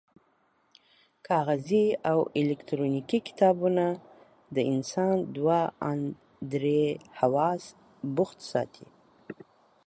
کاغذي او الکترونیکي کتابونه د انسان دوه او ان درې حواس بوخت ساتي.